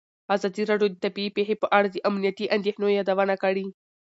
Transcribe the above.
ازادي راډیو د طبیعي پېښې په اړه د امنیتي اندېښنو یادونه کړې.